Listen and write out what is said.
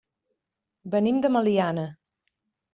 Venim de Meliana.